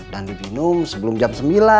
dan dibinum sebelum jam sembilan